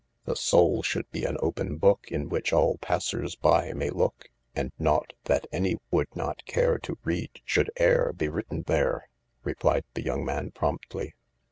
" The soul should be an open book, In which all passers by may look ; And nought that any would not care To read should ere be written there/' replied the young man promptly.